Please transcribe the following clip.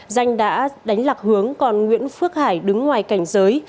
danh đã đánh lạc hướng còn nguyễn phước hải đứng ngoài cảnh giới